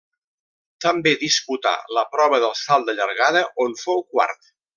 També disputà la prova del salt de llargada, on fou quart.